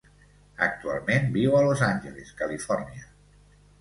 Actualment viu a Los Angeles, Califòrnia.